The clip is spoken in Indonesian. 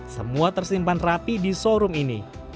semua tersimpan rapi di showroom ini